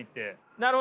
なるほど。